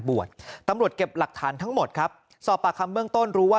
บวชตำรวจเก็บหลักฐานทั้งหมดครับสอบปากคำเบื้องต้นรู้ว่า